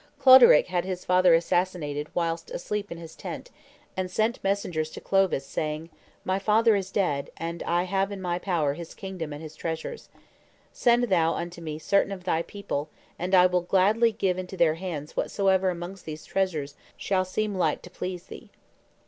Cloderic had his father assassinated whilst asleep in his tent, and sent messengers to Clovis, saying, "My father is dead, and I have in my power his kingdom and his treasures. Send thou unto me certain of thy people, and I will gladly give into their hands whatsoever amongst these treasures shall seem like to please thee."